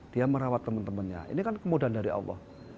dia merawat teman temannya ini kan kemudahan dari allah